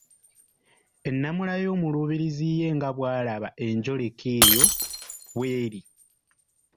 Ennamula y’omuluubirizi ye nga bw’alaba enjoleka eyo bw’eri.